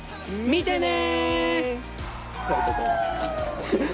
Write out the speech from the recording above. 見てね！